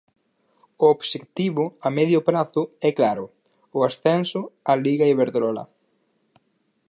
O obxectivo a medio prazo é claro, o ascenso á Liga Iberdrola.